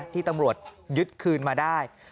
ที่ตำรวจยึดคืนมาได้